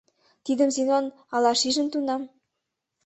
Тидым Зинон ала шижын тунам?